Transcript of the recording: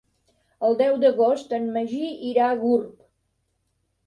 El deu d'agost en Magí irà a Gurb.